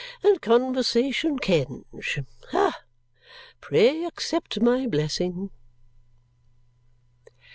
And Conversation Kenge! Ha! Pray accept my blessing!"